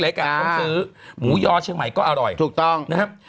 ต้องซื้อหมูยอเชียงใหม่ก็อร่อยถูกต้องนะครับ